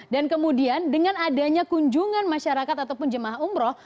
dan kemudian dengan adanya kunjungan masyarakat ataupun jemaah umroh